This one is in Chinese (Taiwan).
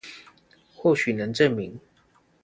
或許能證明